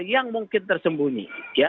yang mungkin tersembunyi